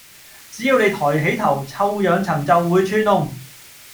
只要你抬起頭，臭氧層就會穿窿